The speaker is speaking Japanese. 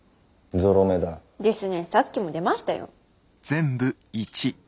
さっきも出ましたよ。